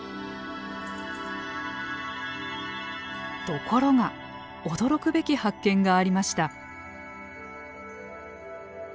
ところが驚くべき発見がありました。